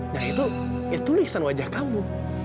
nah itu lisan wajah kamu